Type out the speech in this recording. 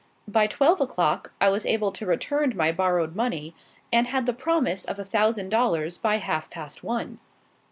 By twelve o'clock, I was able to return my borrowed money, and had the promise of a thousand dollars by half past one.